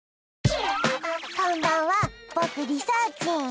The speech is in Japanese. こんばんはぼくリサーちん